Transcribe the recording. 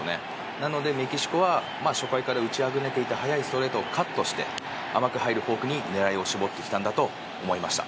なのでメキシコは初回から打ちあぐねていた速いストレートをカットして甘く入るフォークに狙いを絞ってきたんだと思いました。